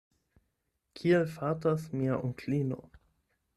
Kiel fartas mia onklino?